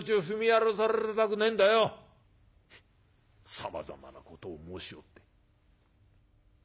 さまざまなことを申しおって。